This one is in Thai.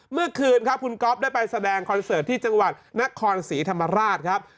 เมื่อคืนครับคุณก๊อฟได้ไปแสดงคอนเสิร์ตที่จังหวัดนครศรีธรรมราชครับ